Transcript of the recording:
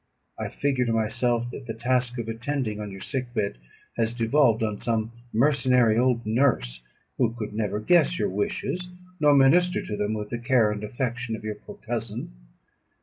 I figure to myself that the task of attending on your sick bed has devolved on some mercenary old nurse, who could never guess your wishes, nor minister to them with the care and affection of your poor cousin.